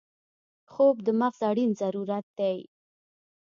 خوب د مغز اړین ضرورت دی